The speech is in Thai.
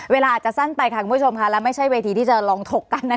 เวลาอาจจะสั้นไปค่ะคุณผู้ชมค่ะและไม่ใช่เวทีที่จะลองถกกันนะคะ